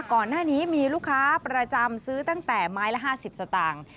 ก่อนหน้านี้มีลูกค้าประจำซื้อตั้งแต่ไม้ละ๕๐สตางค์